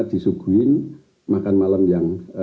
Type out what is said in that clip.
disuguhin makan malam yang